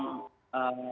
tapi mereka juga